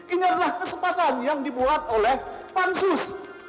ini adalah kesempatan yang dibuat oleh pansus